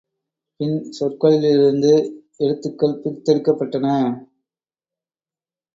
பின், சொற்களிலிருந்து எழுத்துகள் பிரித்தெடுக்கப்பட்டன.